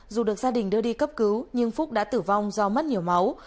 dù được gia đình đưa đi cấp cứu nhưng phúc đã tử vong do mất nhiều máu